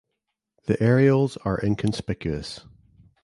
The areoles are inconspicuous.